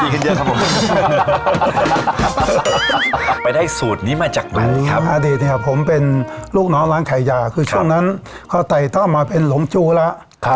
เฮียเสื้อเฮียตรงใต้วงแขนนี้ไปโดนอะไรมา